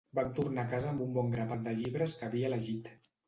Vam tornar a casa amb un bon grapat de llibres que havia elegit.